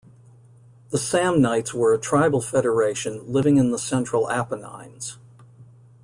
The Samnites were a tribal federation living in the central Apennines.